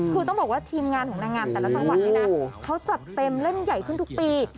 คือต้องบอกว่าทีมงานของนางงามแต่ละจังหวัดนี่นะเขาจัดเต็มเล่นใหญ่ขึ้นทุกปี